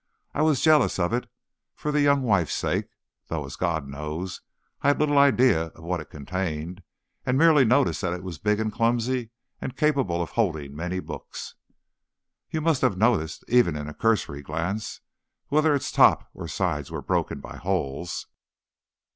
I was jealous of it, for the young wife's sake, though, as God knows, I had little idea of what it contained, and merely noticed that it was big and clumsy, and capable of holding many books." "Yet you must have noticed, even in a cursory glance, whether its top or sides were broken by holes."